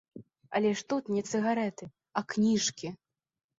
Але ж тут не цыгарэты, а кніжкі!